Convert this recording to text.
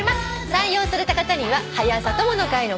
採用された方には「はや朝友の会」の会員証そして。